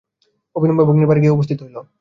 অবিলম্বে ভগ্নীর বাড়ি গিয়া উপস্থিত হইল।